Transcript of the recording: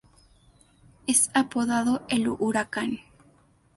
Es apodado "El Huracán".